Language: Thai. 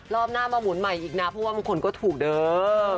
รอบหน้ามาหมุนใหม่อีกนะเพราะว่าบางคนก็ถูกเด้อ